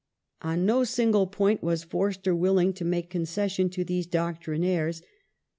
On no single point was Forster willing to make concession to these doctrinaires.